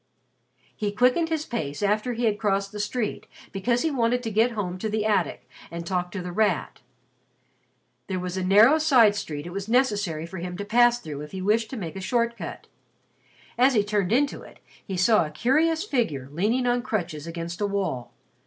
He quickened his pace after he had crossed the street, because he wanted to get home to the attic and talk to The Rat. There was a narrow side street it was necessary for him to pass through if he wished to make a short cut. As he turned into it, he saw a curious figure leaning on crutches against a wall.